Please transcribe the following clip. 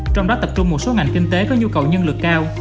trong đó tập trung một số ngành kinh tế có nhu cầu nhân lực cao